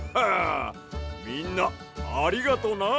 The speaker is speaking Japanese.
みんなありがとな。